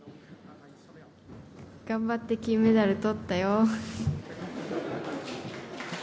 頑張って金メダルとったよ。